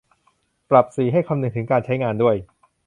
ปรับสี ให้คำนึงถึงการใช้งานด้วย